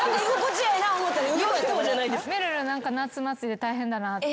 めるる何か夏祭りで大変だなって。